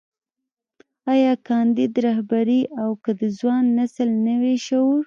ايا کانديد رهبري او که د ځوان نسل نوی شعور.